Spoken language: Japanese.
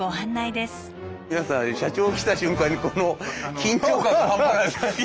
皆さん社長来た瞬間にこの緊張感が半端ないです。